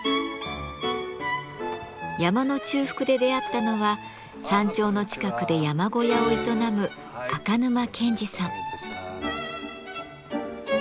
山の中腹で出会ったのは山頂の近くで山小屋を営む赤沼健至さん。